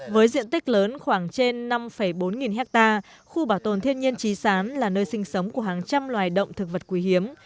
với diện tích lớn khoảng trên năm bốn nghìn hectare khu bảo tồn thiên nhiên trí sán là nơi sinh sống của hàng trăm loài động thực vật quý hiếm